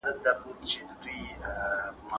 سعيد بن مسیب رحمه الله په دې اړه څه فرمایلي دي؟